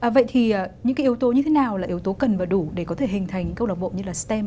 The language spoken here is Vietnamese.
vậy thì những cái yếu tố như thế nào là yếu tố cần và đủ để có thể hình thành câu lạc bộ như là stem